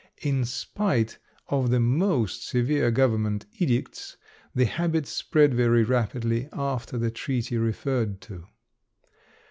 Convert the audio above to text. In spite of the most severe government edicts the habit spread very rapidly after the treaty referred to.